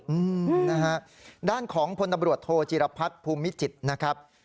อืมนะฮะด้านของพลตำรวจโทจิรพัฒน์ภูมิจิตรนะครับ